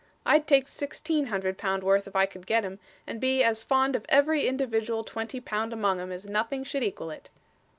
I'd take sixteen hundred pound worth if I could get 'em, and be as fond of every individual twenty pound among 'em as nothing should equal it!